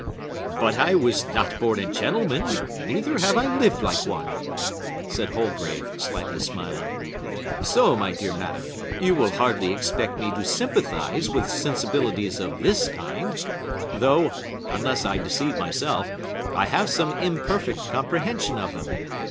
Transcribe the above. "But I was not born a gentleman; neither have I lived like one," said Holgrave, slightly smiling; "so, my dear madam, you will hardly expect me to sympathize with sensibilities of this kind; though, unless I deceive myself, I have some imperfect comprehension of them.